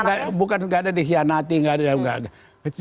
enggak enggak enggak bukan enggak ada dihianati enggak ada enggak ada